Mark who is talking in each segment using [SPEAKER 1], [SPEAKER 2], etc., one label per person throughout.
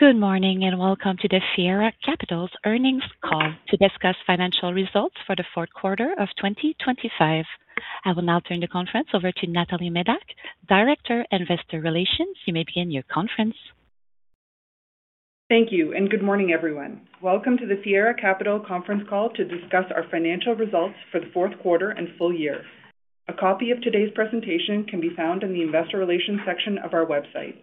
[SPEAKER 1] Good morning, welcome to the Fiera Capital's earnings call to discuss financial results for the Q4 of 2025. I will now turn the conference over to Natalie Medak, Director, Investor Relations. You may begin your conference.
[SPEAKER 2] Thank you, and good morning, everyone. Welcome to the Fiera Capital conference call to discuss our financial results for the Q4 and full-year. A copy of today's presentation can be found in the Investor Relations section of our website.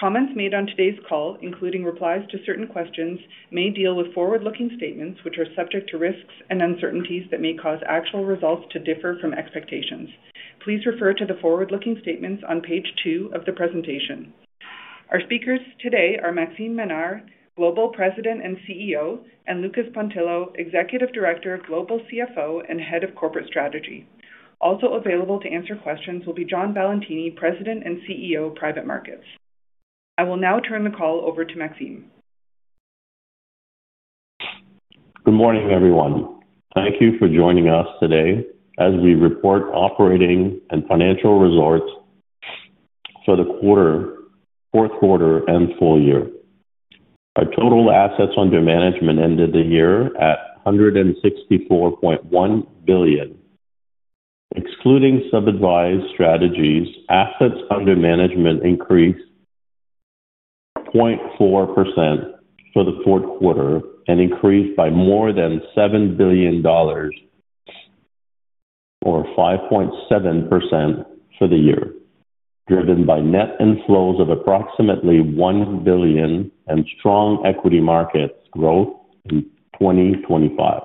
[SPEAKER 2] Comments made on today's call, including replies to certain questions, may deal with forward-looking statements, which are subject to risks and uncertainties that may cause actual results to differ from expectations. Please refer to the forward-looking statements on page two of the presentation. Our speakers today are Maxime Ménard, Global President and Chief Executive Officer, and Lucas Pontillo, Executive Director, Global Chief Financial Officer, and Head of Corporate Strategy. Also available to answer questions will be John Valentini, President and Chief Executive Officer, Private Markets. I will now turn the call over to Maxime.
[SPEAKER 3] Good morning, everyone. Thank you for joining us today as we report operating and financial results for the quarter, Q4 and full-year. Our total assets under management ended the year at 164.1 billion. Excluding sub-advised strategies, assets under management increased 0.4% for the Q4 and increased by more than 7 billion dollars, or 5.7% for the year, driven by net inflows of approximately 1 billion and strong equity markets growth in 2025.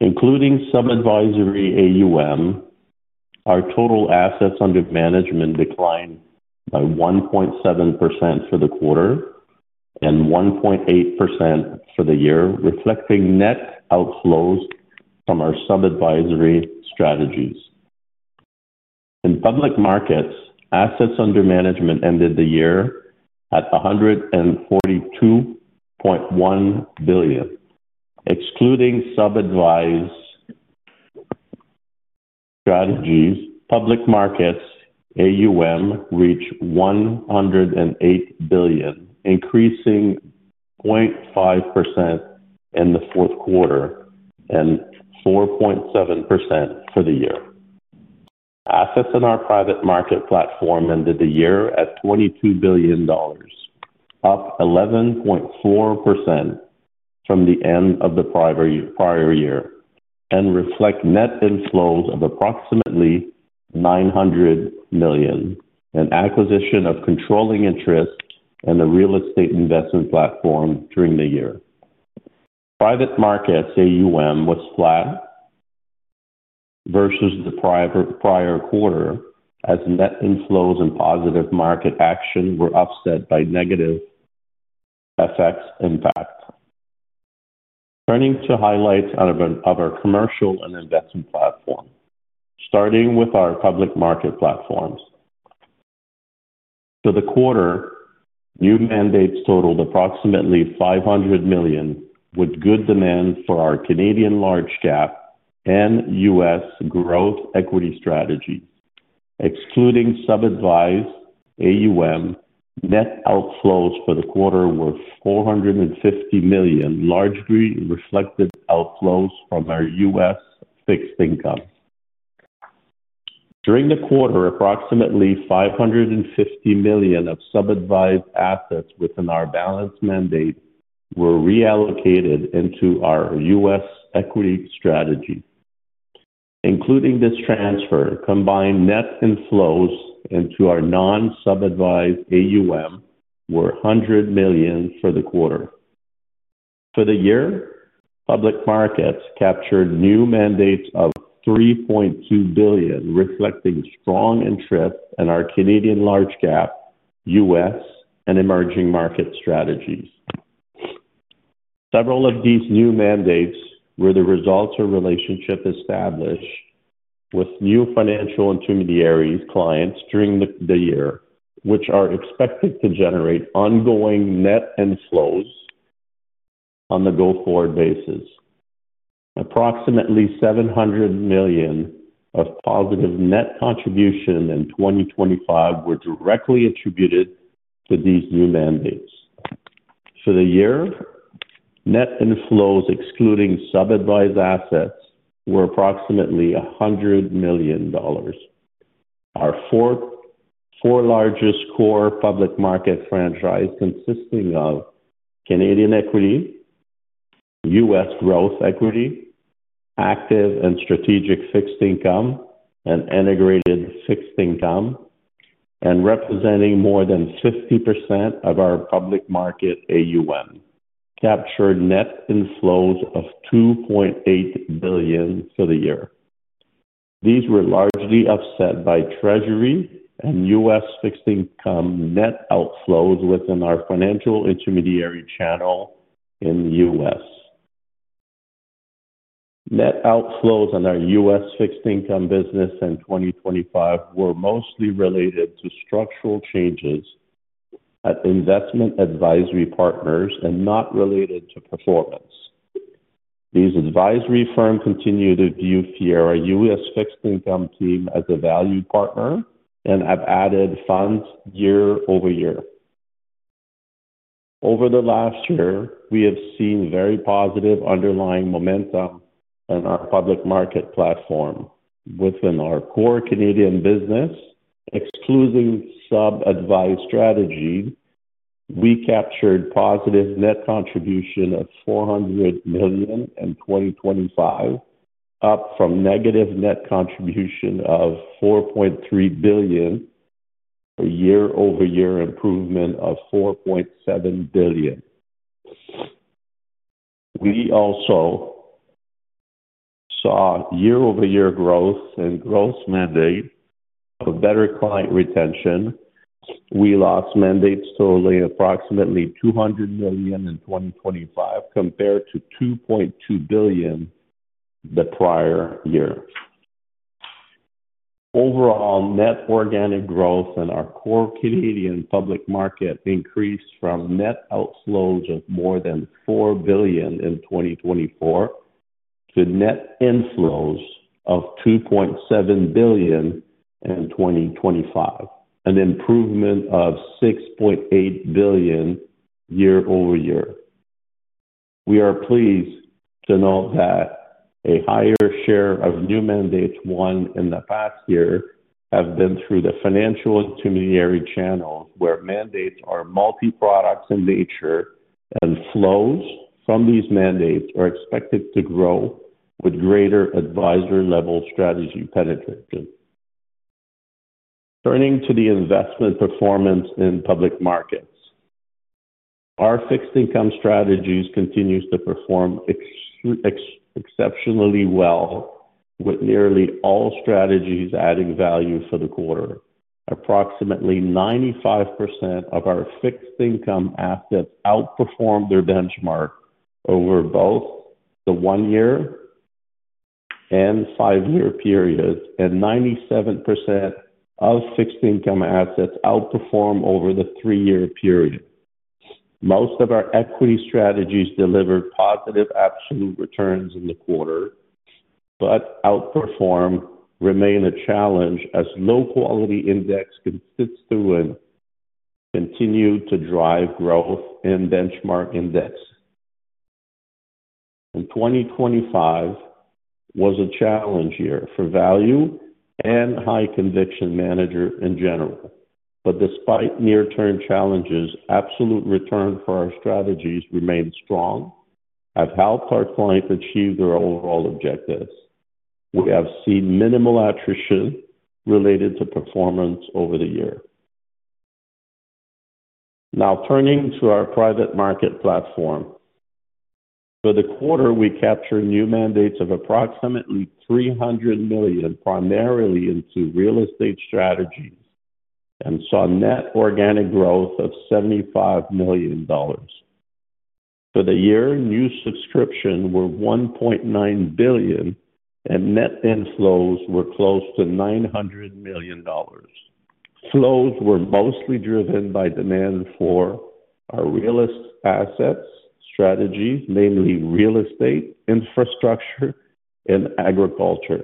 [SPEAKER 3] Including sub-advisory AUM, our total assets under management declined by 1.7% for the quarter and 1.8% for the year, reflecting net outflows from our sub-advisory strategies. In public markets, assets under management ended the year at 142.1 billion. Excluding sub-advised strategies, public markets AUM reached CAD 108 billion, increasing 0.5% in the Q4 and 4.7% for the year. Assets in our private markets platform ended the year at 22 billion dollars, up 11.4% from the end of the prior year, and reflect net inflows of approximately 900 million, an acquisition of controlling interest in the real estate investment platform during the year. Private markets AUM was flat versus the prior quarter, as net inflows and positive market action were offset by negative FX impact. Turning to highlights of our commercial and investment platform, starting with our public markets platforms. For the quarter, new mandates totaled approximately 500 million, with good demand for our Canadian Large Cap and U.S. Growth Equity strategy. Excluding sub-advised AUM, net outflows for the quarter were 450 million, largely reflected outflows from our U.S. fixed income. During the quarter, approximately 550 million of sub-advised assets within our balanced mandate were reallocated into our U.S. equity strategy. Including this transfer, combined net inflows into our non-sub-advised AUM were 100 million for the quarter. For the year, public markets captured new mandates of 3.2 billion, reflecting strong interest in our Canadian Large Cap, U.S., and emerging market strategies. Several of these new mandates were the results of relationship established with new financial intermediaries clients during the year, which are expected to generate ongoing net inflows on the go-forward basis. Approximately 700 million of positive net contribution in 2025 were directly attributed to these new mandates. For the year, net inflows, excluding sub-advised assets, were approximately CAD 100 million. Our four largest core public market franchise, consisting of Canadian Equity, U.S. Growth Equity, Active and Strategic Fixed Income, and Integrated Fixed Income, and representing more than 50% of our public market AUM, captured net inflows of 2.8 billion for the year. These were largely offset by Treasury and U.S. fixed income net outflows within our financial intermediary channel in the U.S. Net outflows on our U.S. fixed income business in 2025 were mostly related to structural changes at investment advisory partners and not related to performance. These advisory firms continue to view Fiera U.S. fixed income team as a valued partner and have added funds year-over-year. Over the last year, we have seen very positive underlying momentum in our public market platform. Within our core Canadian business, excluding sub-advised strategies, we captured positive net contribution of 400 million in 2025, up from negative net contribution of 4.3 billion, a year-over-year improvement of 4.7 billion. We also saw year-over-year growth in gross mandate of better client retention. We lost mandates solely approximately 200 million in 2025, compared to 2.2 billion the prior year. Overall, net organic growth in our core Canadian public market increased from net outflows of more than 4 billion in 2024 to net inflows of 2.7 billion in 2025, an improvement of 6.8 billion year-over-year. We are pleased to note that a higher share of new mandates won in the past year have been through the financial intermediary channels, where mandates are multi-products in nature, and flows from these mandates are expected to grow with greater advisor-level strategy penetration. Turning to the investment performance in public markets. Our fixed income strategies continues to perform exceptionally well, with nearly all strategies adding value for the quarter. Approximately 95% of our fixed income assets outperformed their benchmark over both the one-year and five-year periods, and 97% of fixed income assets outperform over the three-year period. Most of our equity strategies delivered positive absolute returns in the quarter, but outperform remain a challenge as low-quality index constituents continue to drive growth in benchmark index. 2025 was a challenge year for value and high conviction managers in general. Despite near-term challenges, absolute return for our strategies remained strong and helped our clients achieve their overall objectives. We have seen minimal attrition related to performance over the year. Now, turning to our private market platform. For the quarter, we captured new mandates of approximately 300 million, primarily into real estate strategies, and saw net organic growth of 75 million dollars. For the year, new subscription were 1.9 billion, and net inflows were close to 900 million dollars. Flows were mostly driven by demand for our real assets strategies, namely real estate, infrastructure, and agriculture.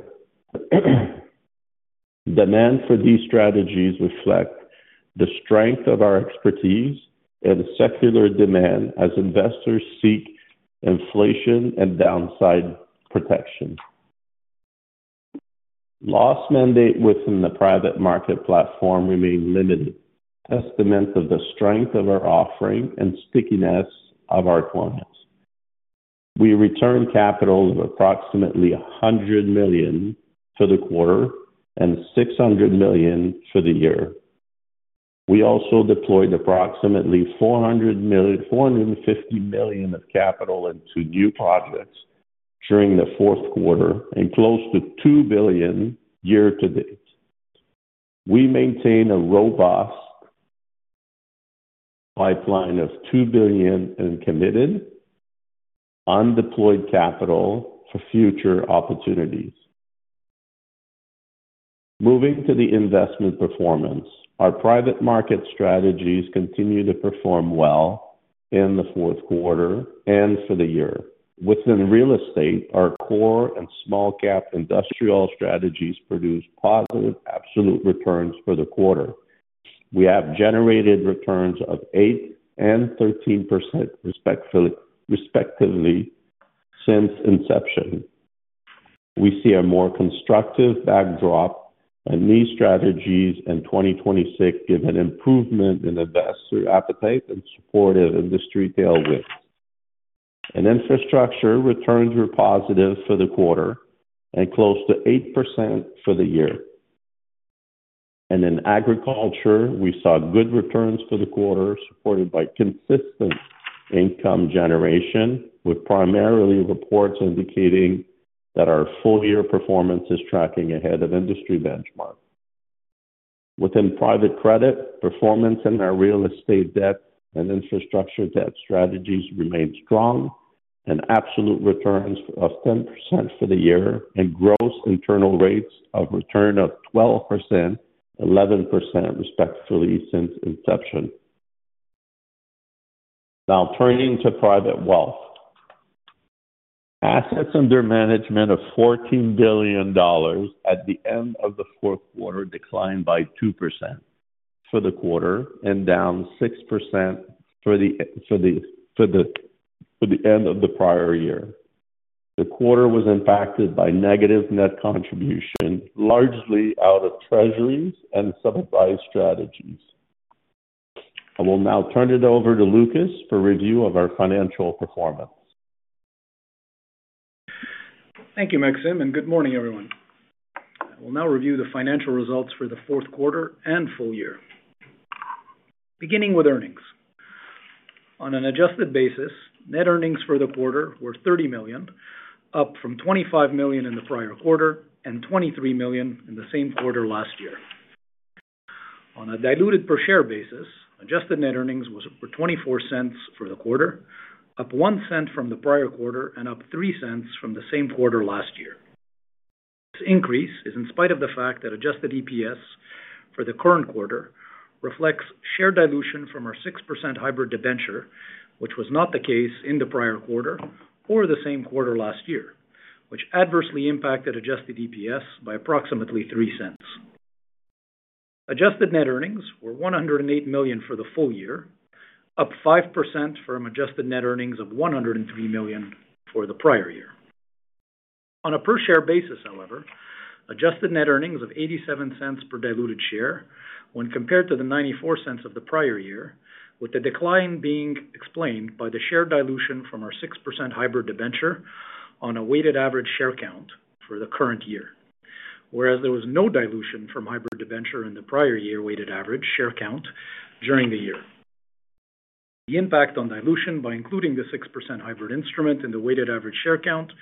[SPEAKER 3] Demand for these strategies reflect the strength of our expertise and secular demand as investors seek inflation and downside protection. Lost mandate within the private market platform remain limited, testament of the strength of our offering and stickiness of our clients. We returned capital of approximately 100 million for the quarter and 600 million for the year. We also deployed approximately 450 million of capital into new projects during the Q4 and close to 2 billion year to date. We maintain a robust pipeline of 2 billion in committed undeployed capital for future opportunities. Moving to the investment performance. Our private market strategies continued to perform well in the Q4 and for the year. Within real estate, our core and small cap industrial strategies produced positive absolute returns for the quarter. We have generated returns of 8% and 13%, respectively, since inception. We see a more constructive backdrop on these strategies in 2026, given improvement in investor appetite and supportive industry tailwinds. In infrastructure, returns were positive for the quarter and close to 8% for the year. In agriculture, we saw good returns for the quarter, supported by consistent income generation, with primarily reports indicating that our full-year performance is tracking ahead of industry benchmark. Within private credit, performance in our real estate debt and infrastructure debt strategies remained strong, and absolute returns of 10% for the year and gross internal rates of return of 12%, 11%, respectively, since inception. Now turning to private wealth. Assets under management of $14 billion at the end of the Q4 declined by 2% for the quarter, and down 6% for the end of the prior year. The quarter was impacted by negative net contribution, largely out of Treasuries and sub-advised strategies. I will now turn it over to Lucas for review of our financial performance.
[SPEAKER 4] Thank you, Maxime, and good morning, everyone. I will now review the financial results for the Q4 and full-year. Beginning with earnings. On an adjusted basis, net earnings for the quarter were 30 million, up from 25 million in the prior quarter, and 23 million in the same quarter last year. On a diluted per share basis, adjusted net earnings was for 0.24 for the quarter, up 0.01 from the prior quarter and up 0.03 from the same quarter last year. This increase is in spite of the fact that adjusted EPS for the current quarter reflects share dilution from our 6% hybrid debenture, which was not the case in the prior quarter or the same quarter last year, which adversely impacted adjusted EPS by approximately 0.03. Adjusted net earnings were $108 million for the full-year, up 5% from adjusted net earnings of 103 million for the prior year. On a per share basis, however, adjusted net earnings of 0.87 per diluted share when compared to the 0.94 of the prior year, with the decline being explained by the share dilution from our 6% hybrid debenture on a weighted average share count for the current year. There was no dilution from hybrid debenture in the prior year weighted average share count during the year. The impact on dilution by including the 6% hybrid instrument in the weighted average share count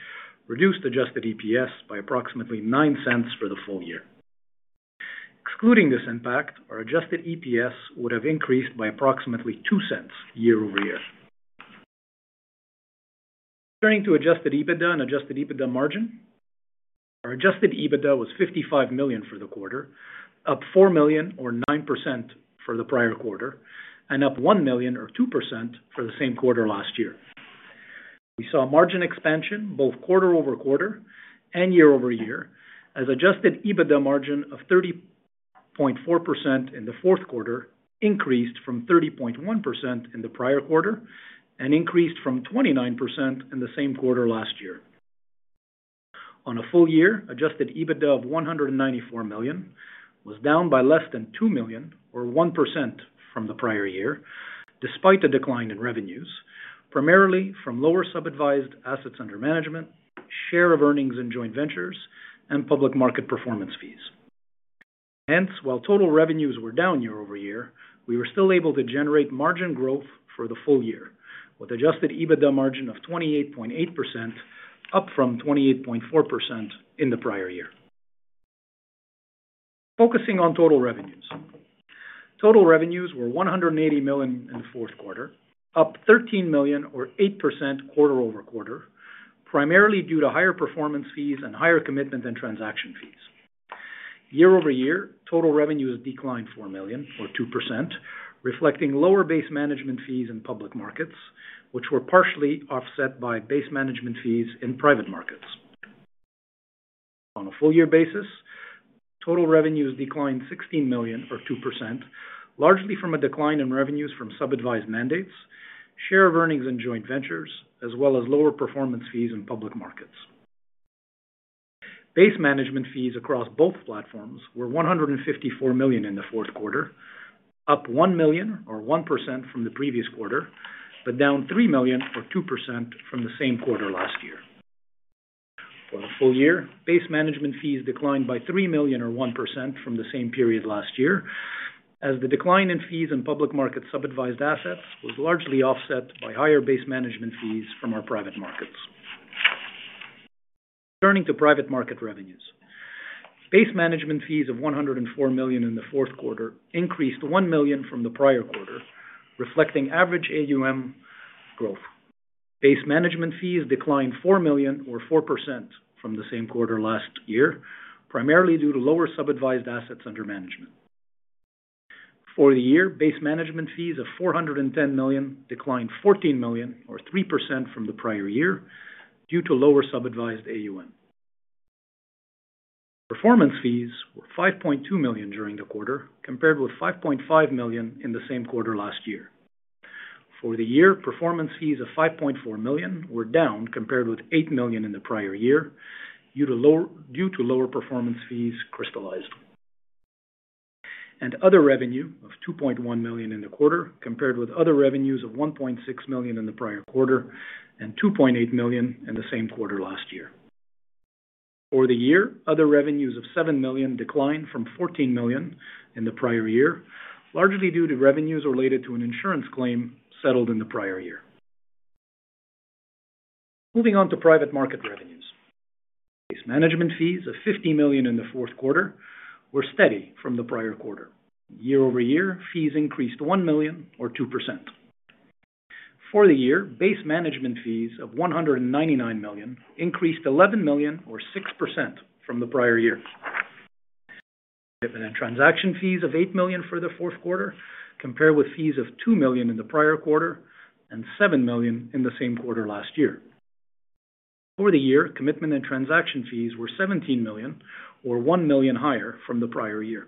[SPEAKER 4] reduced adjusted EPS by approximately $0.09 for the full-year. Excluding this impact, our adjusted EPS would have increased by approximately 0.02 year-over-year. Turning to adjusted EBITDA and adjusted EBITDA margin. Our Adjusted EBITDA was 55 million for the quarter, up 4 million or 9% for the prior quarter, and up 1 million or 2% for the same quarter last year. We saw a margin expansion both quarter-over-quarter and year-over-year, as adjusted EBITDA margin of 30.4% in the Q4 increased from 30.1% in the prior quarter, and increased from 29% in the same quarter last year. On a full-year, adjusted EBITDA of 194 million was down by less than 2 million or 1% from the prior year, despite a decline in revenues, primarily from lower sub-advised assets under management, share of earnings and joint ventures, and public market performance fees. While total revenues were down year-over-year, we were still able to generate margin growth for the full-year, with adjusted EBITDA margin of 28.8%, up from 28.4% in the prior year. Focusing on total revenues. Total revenues were 180 million in the Q4, up 13 million or 8% quarter-over-quarter, primarily due to higher performance fees and higher commitment and transaction fees. Year-over-year, total revenues declined 4 million or 2%, reflecting lower base management fees in public markets, which were partially offset by base management fees in private markets. On a full-year basis, total revenues declined 16 million or 2%, largely from a decline in revenues from sub-advised mandates, share of earnings and joint ventures, as well as lower performance fees in public markets. Base management fees across both platforms were 154 million in the Q4, up 1 million or 1% from the previous quarter, down 3 million or 2% from the same quarter last year. For the full-year, base management fees declined by 3 million or 1% from the same period last year, as the decline in fees in public market sub-advised assets was largely offset by higher base management fees from our private markets. Turning to private market revenues. Base management fees of 104 million in the Q4 increased 1 million from the prior quarter, reflecting average AUM growth. Base management fees declined 4 million or 4% from the same quarter last year, primarily due to lower sub-advised assets under management. For the year, base management fees of 410 million declined 14 million or 3% from the prior year due to lower sub-advised AUM. Performance fees were 5.2 million during the quarter, compared with 5.5 million in the same quarter last year. For the year, performance fees of 5.4 million were down compared with 8 million in the prior year, due to lower performance fees crystallized. Other revenue of 2.1 million in the quarter, compared with other revenues of 1.6 million in the prior quarter, and 2.8 million in the same quarter last year. For the year, other revenues of 7 million declined from 14 million in the prior year, largely due to revenues related to an insurance claim settled in the prior year. Moving on to private market revenues. Base management fees of 50 million in the Q4 were steady from the prior quarter. Year-over-year, fees increased 1 million or 2%. For the year, base management fees of 199 million increased 11 million or 6% from the prior year. Commitment and transaction fees of 8 million for the Q4, compared with fees of 2 million in the prior quarter and 7 million in the same quarter last year. For the year, commitment and transaction fees were 17 million, or 1 million higher from the prior year.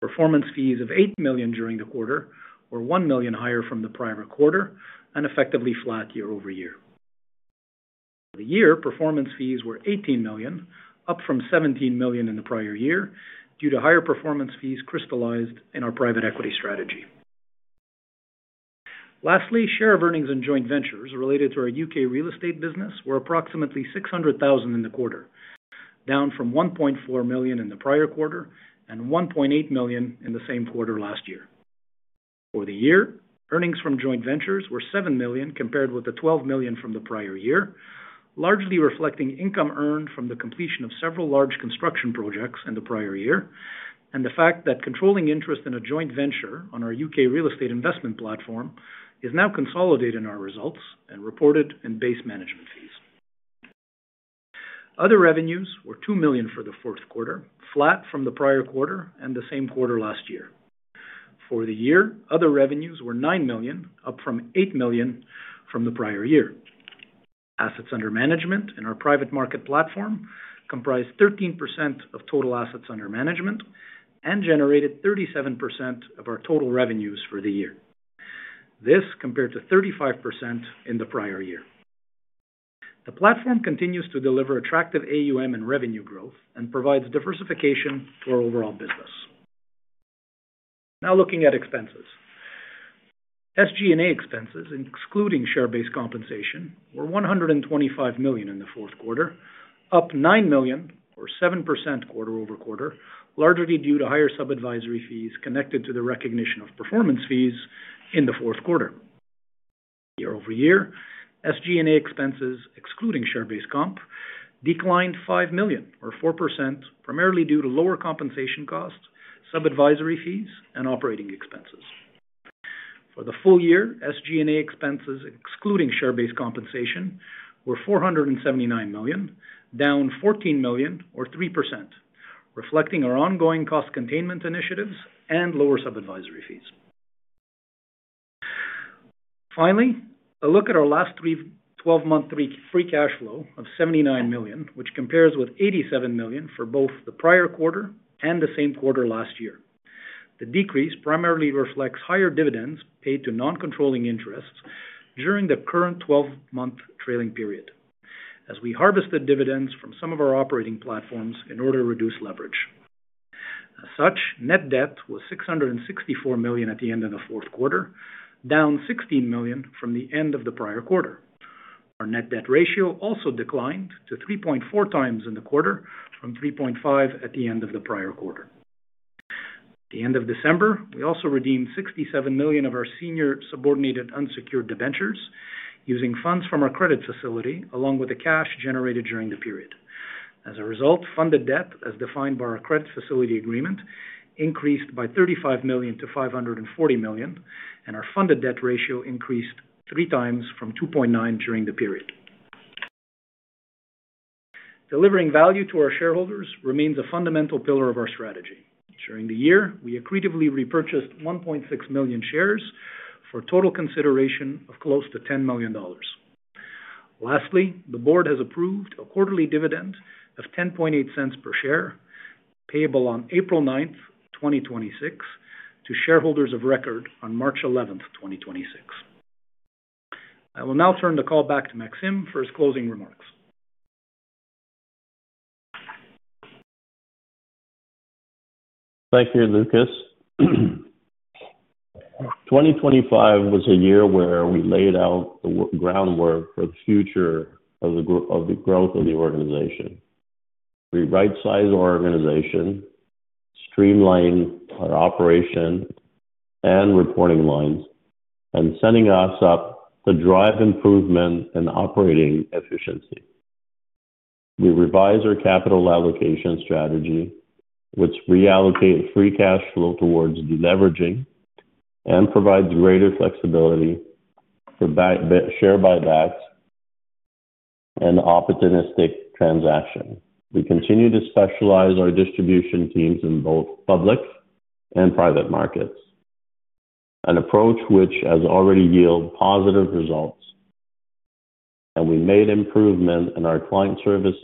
[SPEAKER 4] Performance fees of 8 million during the quarter, were 1 million higher from the prior quarter, and effectively flat year-over-year. For the year, performance fees were 18 million, up from 17 million in the prior year, due to higher performance fees crystallized in our private equity strategy. Lastly, share of earnings in joint ventures related to our U.K. real estate business were approximately 600,000 in the quarter, down from 1.4 million in the prior quarter and 1.8 million in the same quarter last year. For the year, earnings from joint ventures were 7 million, compared with 12 million from the prior year, largely reflecting income earned from the completion of several large construction projects in the prior year, and the fact that controlling interest in a joint venture on our UK real estate investment platform is now consolidated in our results and reported in base management fees. Other revenues were 2 million for the Q4, flat from the prior quarter and the same quarter last year. For the year, other revenues were 9 million, up from 8 million from the prior year. Assets under management in our private market platform comprised 13% of total assets under management and generated 37% of our total revenues for the year. This compared to 35% in the prior year. The platform continues to deliver attractive AUM and revenue growth and provides diversification to our overall business. Now looking at expenses. SG&A expenses, excluding share-based compensation, were 125 million in the Q4, up 9 million or 7% quarter-over-quarter, largely due to higher sub-advisory fees connected to the recognition of performance fees in the Q4. Year-over-year, SG&A expenses, excluding share-based comp, declined 5 million or 4%, primarily due to lower compensation costs, sub-advisory fees, and operating expenses. For the full-year, SG&A expenses, excluding share-based compensation, were 479 million, down 14 million or 3%, reflecting our ongoing cost containment initiatives and lower sub-advisory fees. Finally, a look at our last three 12-month free cxash flow of 79 million, which compares with 87 million for both the prior quarter and the same quarter last year. The decrease primarily reflects higher dividends paid to non-controlling interests during the current twelve-month trailing period, as we harvested dividends from some of our operating platforms in order to reduce leverage. As such, net debt was 664 million at the end of the Q4, down 16 million from the end of the prior quarter. Our net debt ratio also declined to 3.4x in the quarter from 3.5x at the end of the prior quarter. At the end of December, we also redeemed 67 million of our senior subordinated unsecured debentures, using funds from our credit facility along with the cash generated during the period. As a result, funded debt, as defined by our credit facility agreement, increased by 35 million to 540 million, and our funded debt ratio increased 3x from 2.9x during the period. Delivering value to our shareholders remains a fundamental pillar of our strategy. During the year, we accretively repurchased 1.6 million shares for a total consideration of close to 10 million dollars. Lastly, the board has approved a quarterly dividend of 0.108 per share, payable on April 9, 2026, to shareholders of record on March 11, 2026. I will now turn the call back to Maxime for his closing remarks.
[SPEAKER 3] Thank you, Lucas. 2025 was a year where we laid out the groundwork for the future of the growth of the organization. We rightsized our organization, streamlined our operation and reporting lines, setting us up to drive improvement in operating efficiency. We revised our capital allocation strategy, which reallocated free cash flow towards deleveraging and provides greater flexibility for share buybacks and opportunistic transaction. We continue to specialize our distribution teams in both public and private markets, an approach which has already yielded positive results. We made improvements in our client service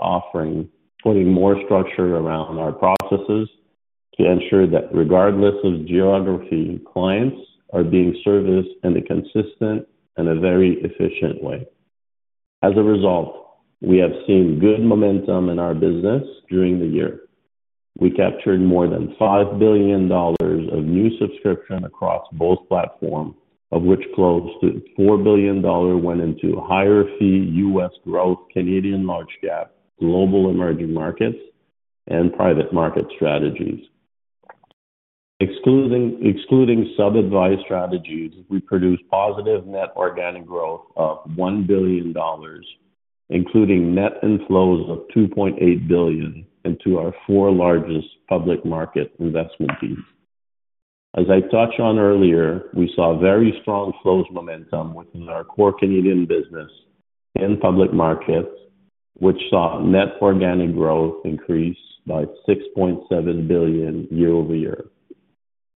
[SPEAKER 3] offering, putting more structure around our processes to ensure that regardless of geography, clients are being serviced in a consistent and a very efficient way. As a result, we have seen good momentum in our business during the year. We captured more than 5 billion dollars of new subscription across both platforms, of which close to 4 billion dollars went into higher fee U.S. Growth, Canadian Large Cap, Global Emerging Markets, and private market strategies. Excluding sub-advised strategies, we produced positive net organic growth of 1 billion dollars, including net inflows of 2.8 billion into our four largest public market investment teams. As I touched on earlier, we saw very strong flows momentum within our core Canadian business in public markets, which saw net organic growth increase by 6.7 billion year-over-year.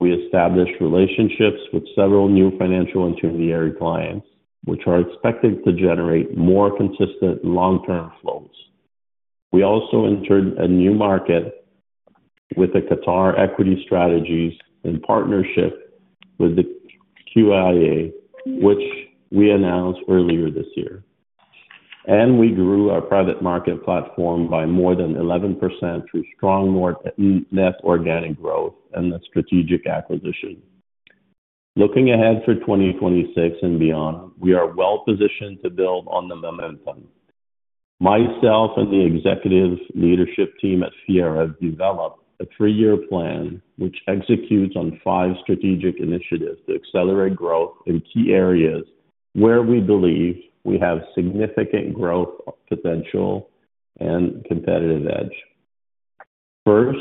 [SPEAKER 3] We established relationships with several new financial intermediary clients, which are expected to generate more consistent long-term flows. We also entered a new market with the Qatar Equity Strategies in partnership with the QIA, which we announced earlier this year. We grew our private market platform by more than 11% through strong more net organic growth and the strategic acquisition. Looking ahead for 2026 and beyond, we are well positioned to build on the momentum. Myself and the executive leadership team at Fiera have developed a three-year plan, which executes on five strategic initiatives to accelerate growth in key areas where we believe we have significant growth, potential, and competitive edge. First,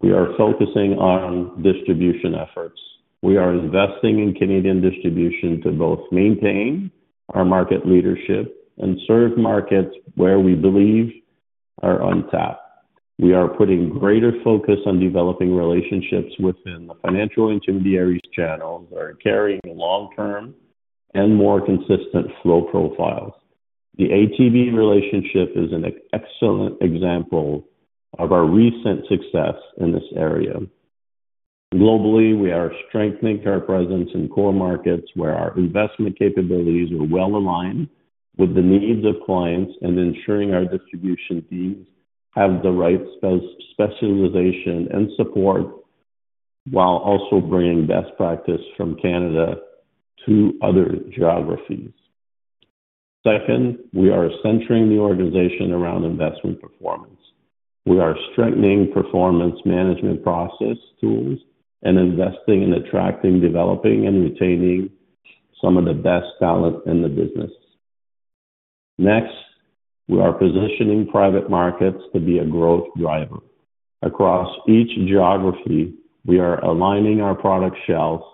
[SPEAKER 3] we are focusing on distribution efforts. We are investing in Canadian distribution to both maintain our market leadership and serve markets where we believe are untapped. We are putting greater focus on developing relationships within the financial intermediaries channels are carrying long-term and more consistent flow profiles. The ATB relationship is an excellent example of our recent success in this area. Globally, we are strengthening our presence in core markets where our investment capabilities are well aligned with the needs of clients and ensuring our distribution teams have the right specialization and support, while also bringing best practice from Canada to other geographies. Second, we are centering the organization around investment performance. We are strengthening performance management process tools and investing in attracting, developing, and retaining some of the best talent in the business. Next, we are positioning private markets to be a growth driver. Across each geography, we are aligning our product shelves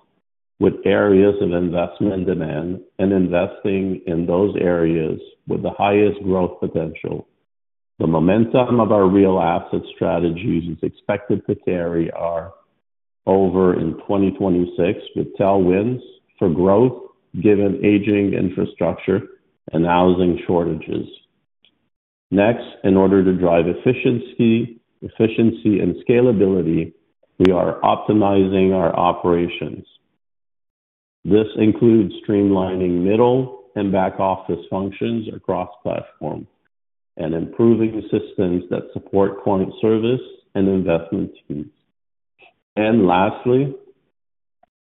[SPEAKER 3] with areas of investment and demand, and investing in those areas with the highest growth potential. The momentum of our real asset strategies is expected to carry our over in 2026, with tailwinds for growth, given aging infrastructure and housing shortages. Next, in order to drive efficiency and scalability, we are optimizing our operations. This includes streamlining middle and back-office functions across platforms and improving the systems that support client service and investment teams. Lastly,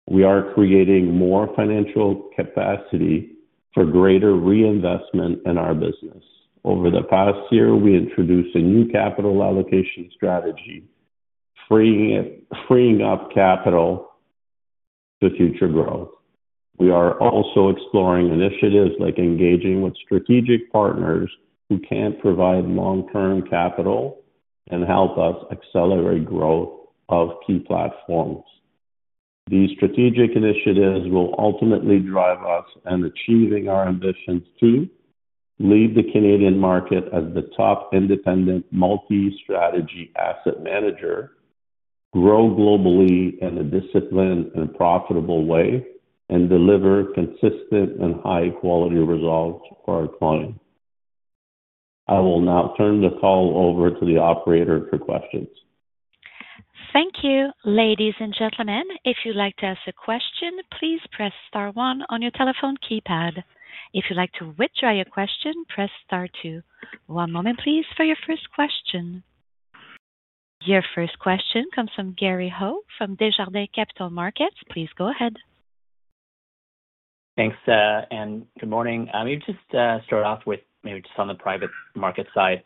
[SPEAKER 3] we are creating more financial capacity for greater reinvestment in our business. Over the past year, we introduced a new capital allocation strategy, freeing up capital for future growth. We are also exploring initiatives like engaging with strategic partners who can provide long-term capital and help us accelerate growth of key platforms. These strategic initiatives will ultimately drive us in achieving our ambitions to lead the Canadian market as the top independent multi-strategy asset manager, grow globally in a disciplined and profitable way, and deliver consistent and high-quality results for our clients. I will now turn the call over to the operator for questions.
[SPEAKER 1] Thank you, ladies and gentlemen. If you'd like to ask a question, please press star one on your telephone keypad. If you'd like to withdraw your question, press star two. One moment, please, for your first question. Your first question comes from Gary Ho, from Desjardins Capital Markets. Please go ahead.
[SPEAKER 5] Thanks, and good morning. Maybe just start off with maybe just on the private market side.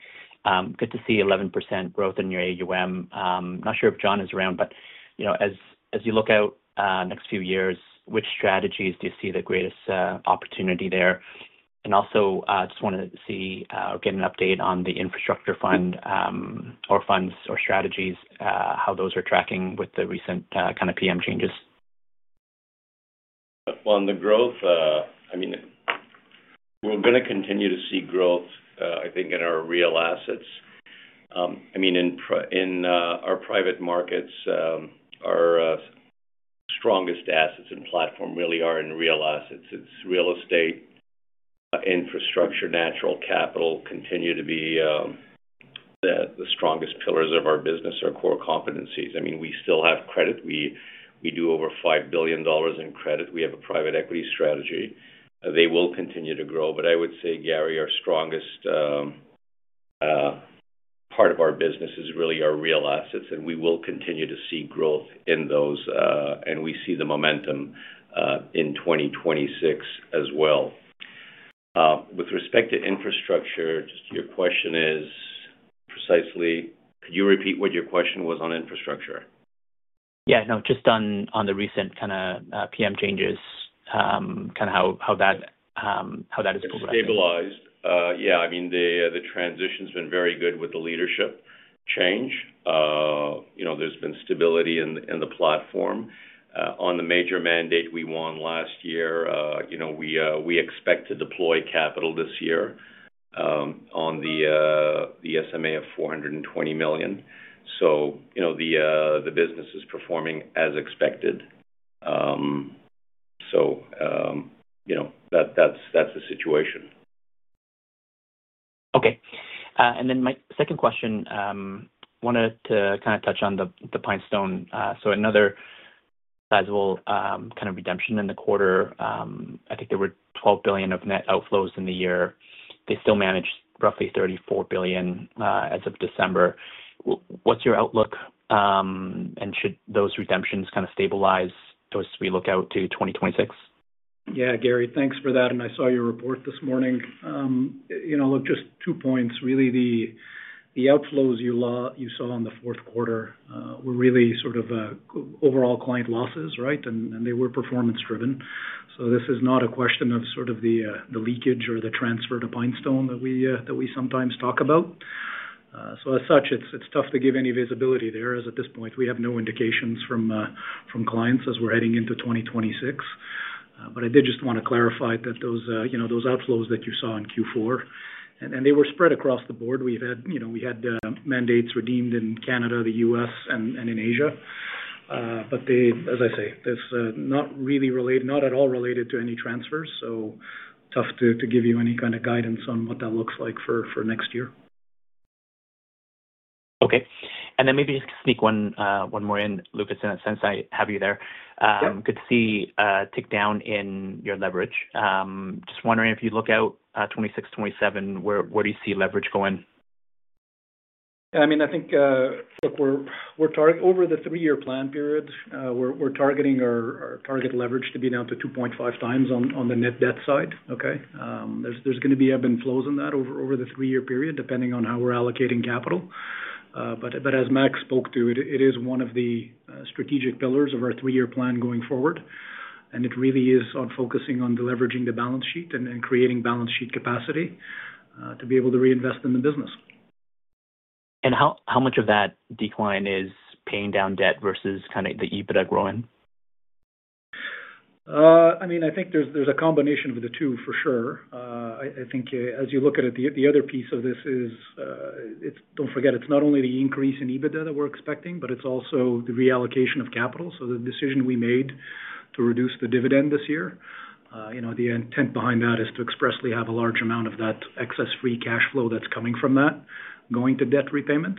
[SPEAKER 5] Good to see 11% growth in your AUM. I'm not sure if John is around, but, you know, as you look out, next few years, which strategies do you see the greatest opportunity there? Also, just wanted to see or get an update on the infrastructure fund or funds or strategies, how those are tracking with the recent kind of PM changes.
[SPEAKER 6] On the growth, I mean, we're going to continue to see growth, I think in our real assets. I mean, in our private markets, our strongest assets and platform really are in real assets. It's real estate, infrastructure, natural capital, continue to be the strongest pillars of our business, our core competencies. I mean, we still have credit. We do over 5 billion dollars in credit. We have a private equity strategy. They will continue to grow. I would say, Gary, our strongest part of our business is really our real assets, and we will continue to see growth in those, and we see the momentum in 2026 as well. With respect to infrastructure, just your question is precisely—could you repeat what your question was on infrastructure?
[SPEAKER 5] Yeah, no, just on the recent kind of PM changes kind of how that is progressing?
[SPEAKER 6] Stabilized. Yeah, I mean, the transition's been very good with the leadership change. You know, there's been stability in the platform. On the major mandate we won last year, you know, we expect to deploy capital this year on the SMA of 420 million. You know, the business is performing as expected. You know, that's the situation.
[SPEAKER 5] Okay. My second question, wanted to kind of touch on the PineStone. Another sizable, kind of redemption in the quarter. I think there were 12 billion of net outflows in the year. They still managed roughly 34 billion, as of December. What's your outlook, and should those redemptions kind of stabilize those as we look out to 2026?
[SPEAKER 4] Gary, thanks for that. I saw your report this morning. You know, just two points. The outflows you saw on the Q4 were really sort of overall client losses, right? They were performance driven. This is not a question of sort of the leakage or the transfer to PineStone that we sometimes talk about. As such, it's tough to give any visibility there, as at this point, we have no indications from clients as we're heading into 2026. I did just want to clarify that those, you know, those outflows that you saw in Q4, they were spread across the board. We've had, you know, we had mandates redeemed in Canada, the U.S., and in Asia. As I say, this, not really related, not at all related to any transfers, so tough to give you any kind of guidance on what that looks like for next year.
[SPEAKER 5] Okay. Maybe just sneak one more in, Lucas, in that sense, I have you there.
[SPEAKER 4] Yep.
[SPEAKER 5] Good to see, tick down in your leverage. Just wondering if you look out 2026, 2027, where do you see leverage going?
[SPEAKER 4] I mean, I think, look, we're targeting over the three-year plan periods, we're targeting our target leverage to be down to 2.5x on the net debt side. Okay? There's going to be ebbs and flows in that over the three-year period, depending on how we're allocating capital. But as Max spoke to, it is one of the strategic pillars of our three-year plan going forward, and it really is on focusing on deleveraging the balance sheet and creating balance sheet capacity to be able to reinvest in the business.
[SPEAKER 5] How much of that decline is paying down debt versus kind of the EBITDA growing?
[SPEAKER 4] I mean, I think there's a combination of the two for sure. I think as you look at it, the other piece of this is, don't forget, it's not only the increase in EBITDA that we're expecting, but it's also the reallocation of capital. The decision we made to reduce the dividend this year, you know, the intent behind that is to expressly have a large amount of that excess free cash flow that's coming from that going to debt repayment.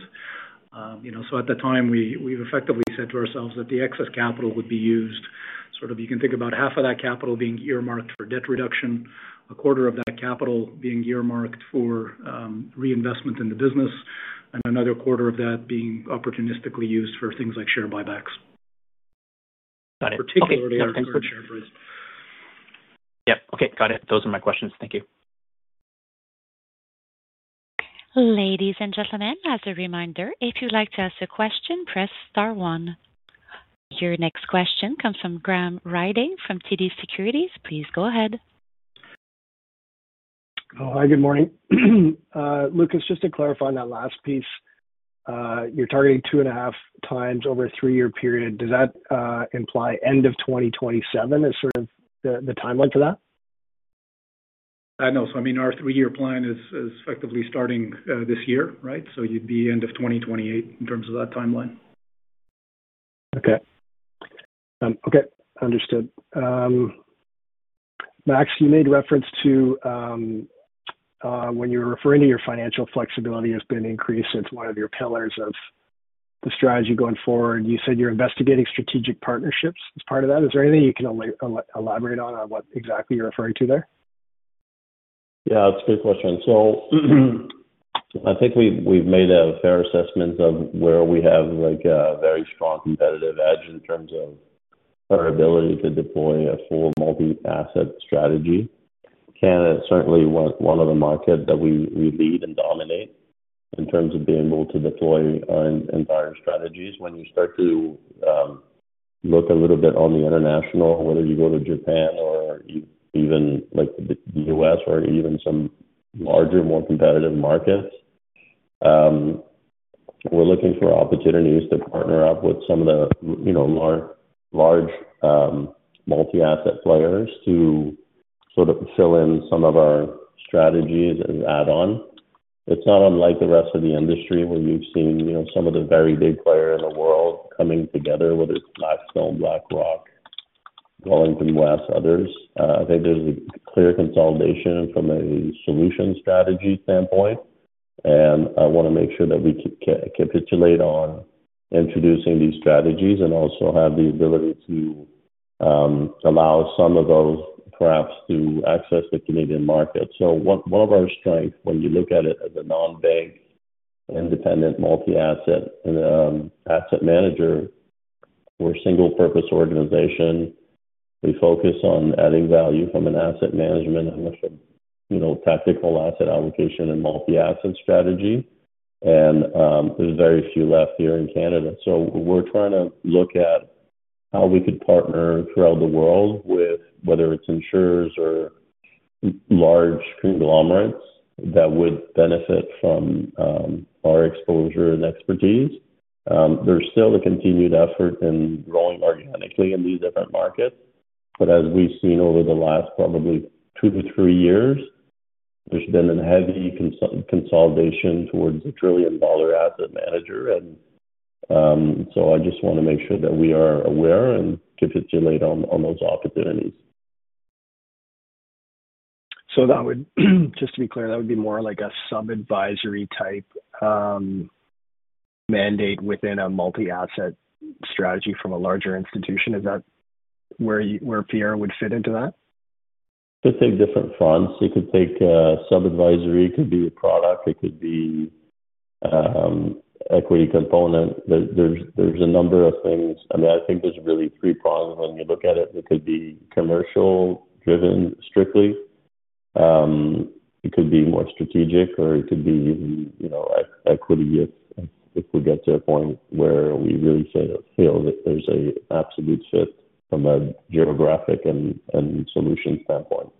[SPEAKER 4] You know, at the time, we've effectively said to ourselves that the excess capital would be used. Sort of, you can think about half of that capital being earmarked for debt reduction, a quarter of that capital being earmarked for, reinvestment in the business, and another quarter of that being opportunistically used for things like share buybacks.
[SPEAKER 5] Got it.
[SPEAKER 4] Particularly-
[SPEAKER 5] Yep. Okay, got it. Those are my questions. Thank you.
[SPEAKER 1] Ladies and gentlemen, as a reminder, if you'd like to ask a question, press star one. Your next question comes from Graham Ryding from TD Securities. Please go ahead.
[SPEAKER 7] Oh, hi, good morning. Lucas, just to clarify on that last piece, you're targeting 2.5x over a three-year period. Does that imply end of 2027 as sort of the timeline for that?
[SPEAKER 4] No. I mean, our three-year plan is effectively starting this year, right? You'd be end of 2028 in terms of that timeline.
[SPEAKER 7] Okay. Okay, understood. Max, you made reference to, when you were referring to your financial flexibility has been increased, it's one of your pillars of the strategy going forward. You said you're investigating strategic partnerships as part of that. Is there anything you can elaborate on what exactly you're referring there?
[SPEAKER 3] Yeah, it's a good question. I think we've made a fair assessment of where we have, like, a very strong competitive edge in terms of our ability to deploy a full multi-asset strategy. Canada certainly was one of the markets that we lead and dominate in terms of being able to deploy our entire strategies. When you start to look a little bit on the international, whether you go to Japan or even like the U.S., or even some larger, more competitive markets, we're looking for opportunities to partner up with some of the, you know, large multi-asset players to sort of fill in some of our strategies and add on. It's not unlike the rest of the industry, where you've seen, you know, some of the very big players in the world coming together, whether it's Blackstone. BlackRock, Wellington, Vanguard, others. I think there's a clear consolidation from a solution strategy standpoint, and I want to make sure that we articulate on introducing these strategies and also have the ability to allow some of those perhaps to access the Canadian market. One of our strengths, when you look at it as a non-bank, independent, multi-asset, and asset manager, we're a single-purpose organization. We focus on adding value from an asset management and, you know, tactical asset allocation and multi-asset strategy. There's very few left here in Canada. We're trying to look at how we could partner throughout the world with whether it's insurers or large conglomerates that would benefit from our exposure and expertise. There's still a continued effort in growing organically in these different markets, but as we've seen over the last probably two to three years, there's been a heavy consolidation towards a $1 trillion asset manager. I just want to make sure that we are aware and articulate on those opportunities.
[SPEAKER 7] That would, just to be clear, that would be more like a sub-advisory type, mandate within a multi-asset strategy from a larger institution. Is that where you, where Fiera would fit into that?
[SPEAKER 3] It could take different funds. It could take sub-advisory, it could be a product, it could be equity component. There's a number of things. I mean, I think there's really three prongs when you look at it. It could be commercial driven strictly, it could be more strategic, or it could be, you know, equity if we get to a point where we really feel that there's a absolute shift from a geographic and solution standpoint.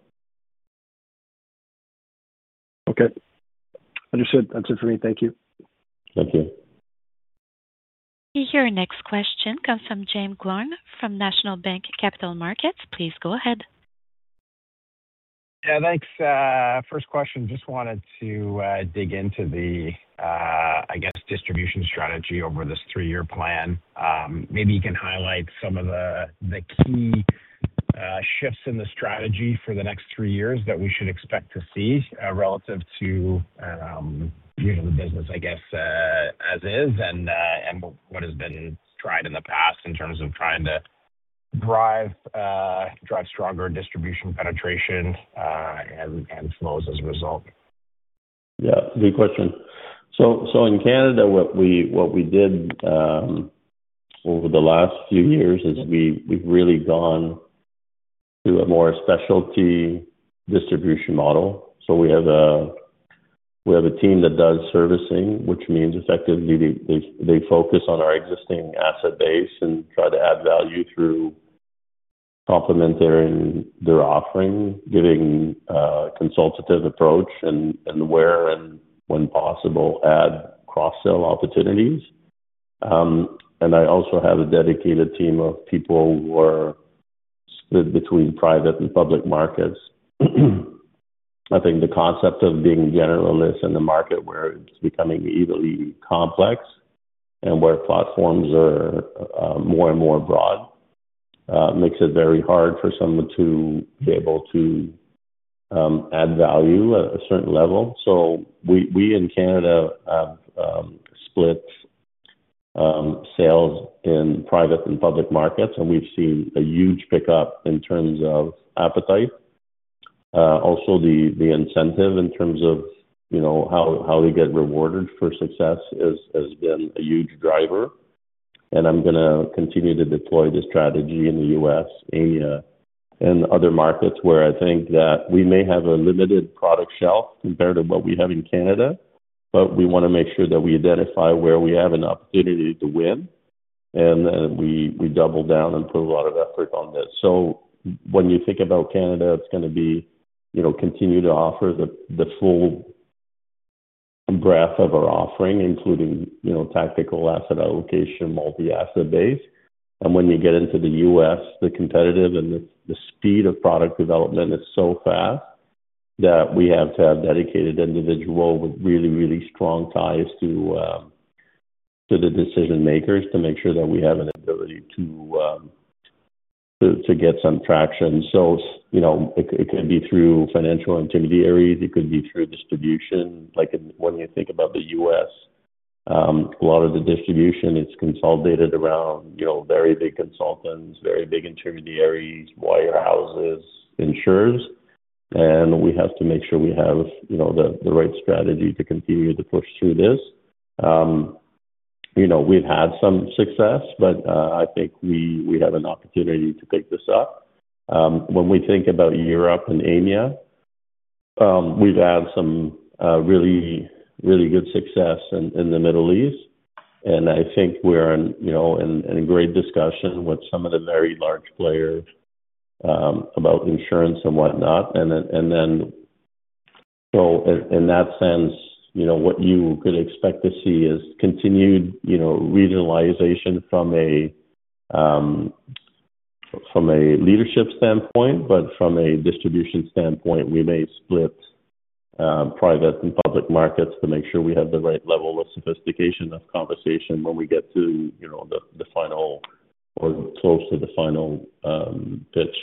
[SPEAKER 7] Okay, understood. That's it for me. Thank you.
[SPEAKER 3] Thank you.
[SPEAKER 1] Your next question comes from Jaeme Gloyn from National Bank Financial. Please go ahead.
[SPEAKER 8] Yeah, thanks. First question, just wanted to dig into the, I guess, distribution strategy over this three-year plan. Maybe you can highlight some of the key shifts in the strategy for the next three years that we should expect to see, relative to, you know, the business, I guess, as is, and what has been tried in the past in terms of trying to drive stronger distribution penetration, and flows as a result?
[SPEAKER 3] Yeah, good question. In Canada, what we did over the last few years is we've really gone to a more specialty distribution model. We have a team that does servicing, which means effectively, they focus on our existing asset base and try to add value through complement their offering, giving consultative approach and where and when possible, add cross-sell opportunities. I also have a dedicated team of people who are split between private and public markets. I think the concept of being generalist in the market, where it's becoming evenly complex and where platforms are more and more broad, makes it very hard for someone to be able to add value at a certain level. We in Canada have split sales in private and public markets, and we've seen a huge pickup in terms of appetite. The incentive in terms of, you know, how we get rewarded for success has been a huge driver, I'm going to continue to deploy the strategy in the U.S., Asia, and other markets where I think that we may have a limited product shelf compared to what we have in Canada, but we want to make sure that we identify where we have an opportunity to win, and then we double down and put a lot of effort on this. When you think about Canada, it's going to be, you know, continue to offer the full breadth of our offering, including, you know, tactical asset allocation, multi-asset base. When you get into the U.S., the competitive and the speed of product development is so fast that we have to have dedicated individual with really, really strong ties to the decision makers to make sure that we have an ability to get some traction. You know, it could be through financial intermediaries. It could be through distribution. Like when you think about the U.S., a lot of the distribution is consolidated around, you know, very big consultants, very big intermediaries, wirehouses, insurers, and we have to make sure we have, you know, the right strategy to continue to push through this. You know, we've had some success, I think we have an opportunity to pick this up. When we think about Europe and EMEA, we've had some really, really good success in the Middle East, and I think we're in, you know, in a great discussion with some of the very large players, about insurance and whatnot. In that sense, you know, what you could expect to see is continued, you know, regionalization from a leadership standpoint, but from a distribution standpoint, we may split private and public markets to make sure we have the right level of sophistication of conversation when we get to, you know, the final or close to the final pitch.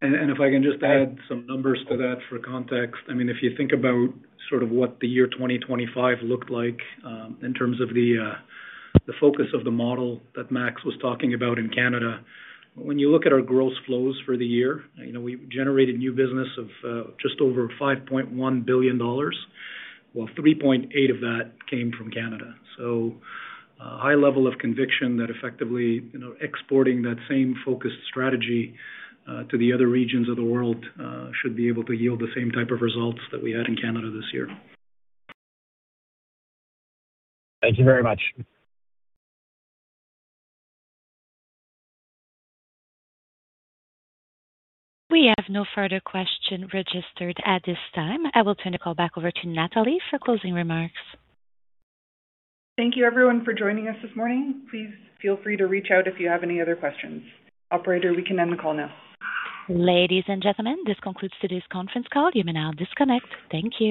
[SPEAKER 3] If I can just add some numbers to that for context.
[SPEAKER 4] I mean, if you think about sort of what the year 2025 looked like, in terms of the focus of the model that Max was talking about in Canada. When you look at our gross flows for the year, you know, we generated new business of just over 5.1 billion dollars, while 3.8 billion of that came from Canada. A high level of conviction that effectively, you know, exporting that same focused strategy to the other regions of the world should be able to yield the same type of results that we had in Canada this year.
[SPEAKER 8] Thank you very much.
[SPEAKER 1] We have no further question registered at this time. I will turn the call back over to Natalie for closing remarks.
[SPEAKER 2] Thank you, everyone, for joining us this morning. Please feel free to reach out if you have any other questions. Operator, we can end the call now.
[SPEAKER 1] Ladies and gentlemen, this concludes today's conference call. You may now disconnect. Thank you.